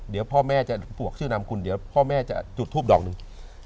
เดี๋ยวพ่อแม่จะปวกชื่อนามคุณเดี๋ยวพ่อแม่จะจุดทูปดอกหนึ่ง